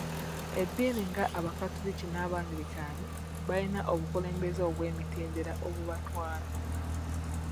Eddiini nga abakatoliki n'abangirikaani bayina obukulembeze obw'emitendera obubatwala .